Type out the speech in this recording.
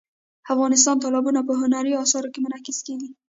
افغانستان کې تالابونه په هنري اثارو کې منعکس کېږي.